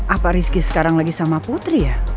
apa rizky sekarang lagi sama putri ya